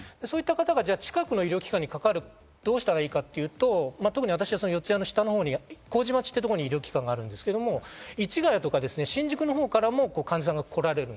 近くの医療機関にかかるにはどうしたらいいかというと、私は四谷の下のほうに麹町って所に医療機関があるんですけど、市ヶ谷とか新宿のほうからも患者さんが来られる。